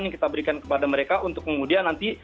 yang kita berikan kepada mereka untuk kemudian nanti